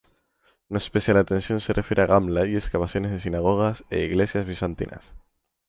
Una especial atención se refiere a Gamla y excavaciones de sinagogas e iglesias bizantinas.